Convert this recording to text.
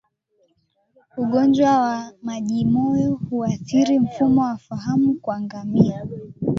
Ugonjwa wa majimoyo huathiri mfumo wa fahamu kwa ngamia